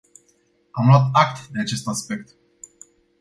Am luat act de acest aspect.